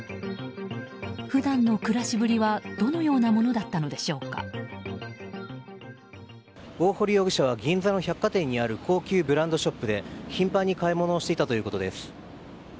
普段の暮らしぶりはどのようなもの大堀容疑者は銀座の百貨店にある高級ブランドショップで頻繁に買い物をしていたということです。